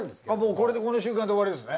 これでこの瞬間で終わりですね。